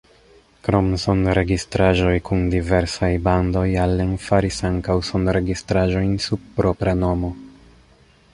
Krom sonregistraĵoj kun diversaj bandoj Allen faris ankaŭ sonregistraĵojn sub propra nomo.